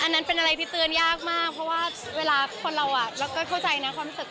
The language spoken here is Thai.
อันนั้นเป็นอะไรที่เตือนยากมากเพราะว่าเวลาคนเราอ่ะเราก็เข้าใจนะความรู้สึก